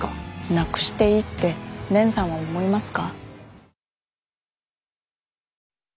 なくしていいって蓮さんは思いますか？